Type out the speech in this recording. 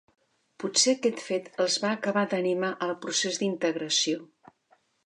Potser aquest fet els va acabar d'animar al procés d'integració.